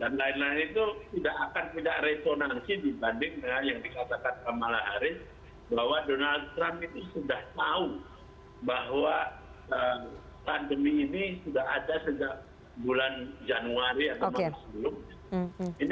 dan lain lain itu tidak akan tidak resonansi dibanding dengan yang dikatakan kamalaharis bahwa donald trump ini sudah tahu bahwa pandemi ini sudah ada sejak bulan januari atau tahun sebelumnya